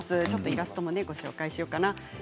イラストもご紹介しようかな。